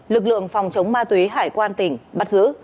lực lượng phòng chống ma túy hải quan tỉnh bắt giữ